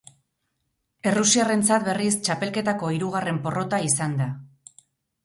Errusiarrentzat, berriz, txapelketako hirugarren porrota izan da.